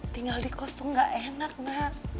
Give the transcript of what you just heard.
tinggal di kos tuh gak enak nak